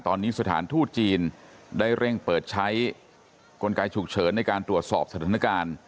ตอนนี้สถานทูตจีนได้เร่งเปิดใช้กลไกฉุกเฉินในการตรวจสอบสถานการณ์